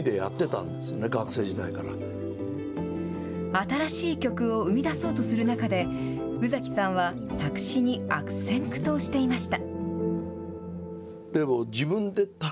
新しい曲を生み出そうとする中で宇崎さんは作詞に悪戦苦闘していました。